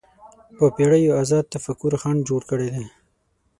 په پېړیو ازاد تفکر خنډ جوړ کړی دی